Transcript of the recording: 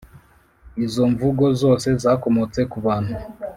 izo mvugo zose zakomotse ku bantu?